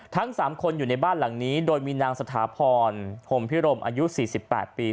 ทั้ง๓คนอยู่ในบ้านหลังนี้โดยมีนางสถาพรพรมพิรมอายุ๔๘ปี